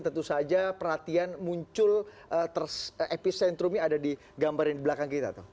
tentu saja perhatian muncul epicentrumnya ada digambarin di belakang kita